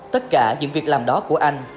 tất cả những việc làm đó của anh